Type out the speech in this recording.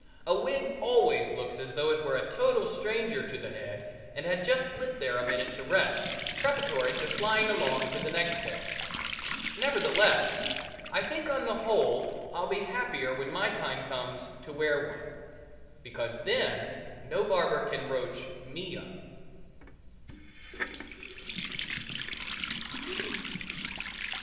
A wig always looks as though it were a total stranger to the head and had just lit there a minute to rest, preparatory to flying along to the next head. Nevertheless, I think on the whole I'll be happier when my time comes to wear one, because then no barber can roach me up.